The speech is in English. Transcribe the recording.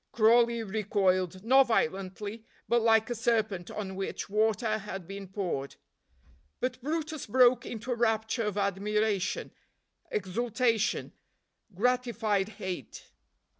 Crawley recoiled, not violently, but like a serpent on which water had been poured; but brutus broke into a rapture of admiration, exultation, gratified hate.